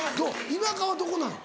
田舎はどこなの？